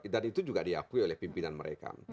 dan itu juga diakui oleh pimpinan mereka